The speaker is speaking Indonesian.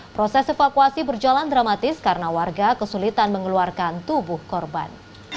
proses evakuasi berjalan dramatis karena warga kesulitan mengeluarkan tubuh korban